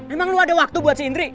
emang lu ada waktu buat si indri